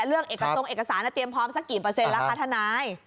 เลือกตรงเอกสารแล้วเตรียมพร้อมสักกี่เปอร์เซ็นต์แล้วคะทนาย